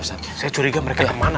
saya curiga mereka kemana